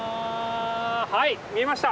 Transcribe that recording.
はい見えました！